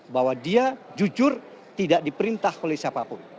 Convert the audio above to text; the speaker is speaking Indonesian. bahwa dia jujur tidak diperintah oleh siapapun